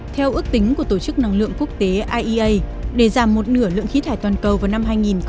theo ước tính của tổ chức năng lượng quốc tế iea để giảm một nửa lượng khí thải toàn cầu vào năm hai nghìn ba mươi